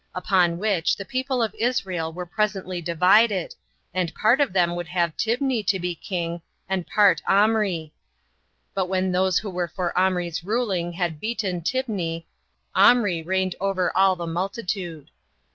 Upon which the people of Israel were presently divided, and part of them would have Tibni to be king, and part Omri; but when those that were for Omri's ruling had beaten Tibni, Omri reigned over all the multitude.